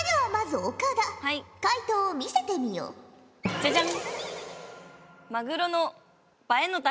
ジャジャン。